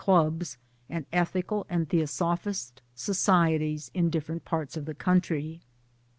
Clubs and Ethical and Theosophist societies in different parts of the country.